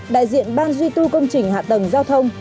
đại diện ban duy tu công trình hạ tầng giao thông